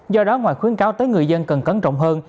do đó ngoài khuyến cáo tới người dân cần cẩn trọng hơn